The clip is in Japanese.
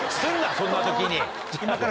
そんな時に。